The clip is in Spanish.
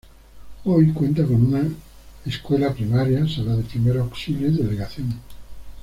Hoy cuenta con una escuela primaria, sala de primeros auxilios y delegación.